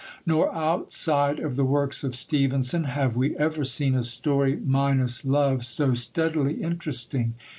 Nor, outside of the works of Stevenson, have we ever seen a story minus love so steadily interesting.